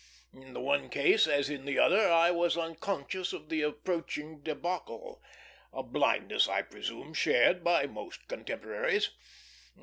In the one case as in the other I was unconscious of the approaching débâcle; a blindness I presume shared by most contemporaries.